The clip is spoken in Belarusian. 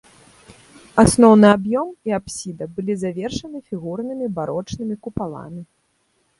Асноўны аб'ём і апсіда былі завершаны фігурнымі барочнымі купаламі.